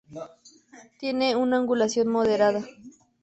Tiene una angulación moderada.